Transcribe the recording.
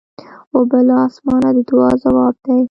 اوبه له اسمانه د دعا ځواب دی.